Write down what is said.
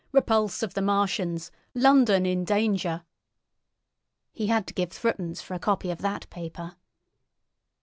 Repulse of the Martians! London in Danger!" He had to give threepence for a copy of that paper.